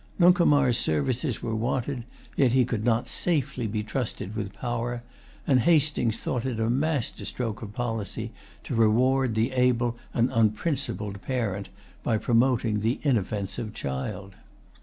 Nuncomar's services were wanted, yet he could not safely be trusted with power; and Hastings thought it a master stroke of policy to reward the able and unprincipled parent by promoting the inoffensive child.